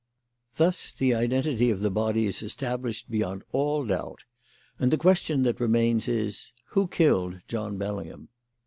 "Thus the identity of the body is established beyond all doubt, and the question that remains is, Who killed John Bellingham?